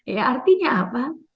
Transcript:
ya artinya apa